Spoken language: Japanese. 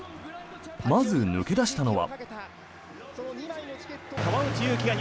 まず抜け出したのは。